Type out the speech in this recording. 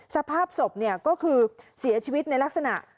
สภาพศพก็คือเสียชีวิตในลักษณะ